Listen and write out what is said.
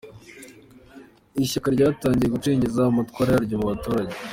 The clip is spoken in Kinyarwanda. Ishyaka ryatangiye gucengeza amatwara yaryo mu baturage